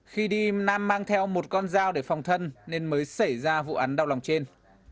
khi đi nam mang theo một con dao để phòng thân nên mới xảy ra vụ án đau lòng trên